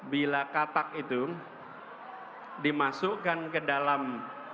bila katak itu dimasukkan ke dalam